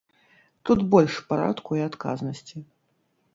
Тут больш парадку і адказнасці.